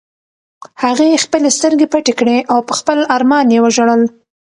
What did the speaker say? هغې خپلې سترګې پټې کړې او په خپل ارمان یې وژړل.